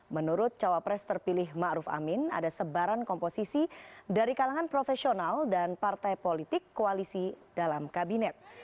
menurut cawapres terpilih ⁇ maruf ⁇ amin ada sebaran komposisi dari kalangan profesional dan partai politik koalisi dalam kabinet